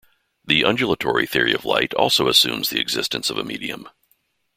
The undulatory theory of light also assumes the existence of a medium.